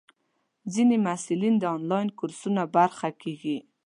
ځینې محصلین د انلاین کورسونو برخه کېږي.